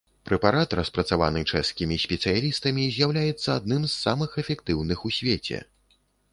Прэпарат, распрацаваны чэшскімі спецыялістамі, з'яўляецца адным з самых эфектыўных у свеце.